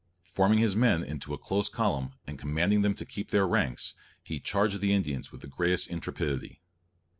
Forming his men into a close column, and commanding them to keep their ranks, he charged the Indians with the greatest intrepidity.